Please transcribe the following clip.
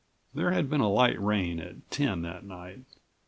There had been a light rain at ten that night.